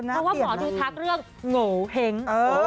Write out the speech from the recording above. เพราะบอซ์ดูแท๊คเรื่องหงูเงิน